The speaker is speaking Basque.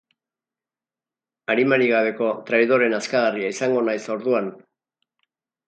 Arimarik gabeko traidore nazkagarria izango naiz orduan.